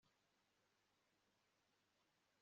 Numvise ko Mariya ashaka gutandukana